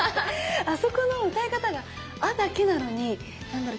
あそこの歌い方が「ア」だけなのに何だろう。